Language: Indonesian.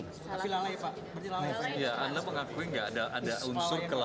salah pilih lalai pak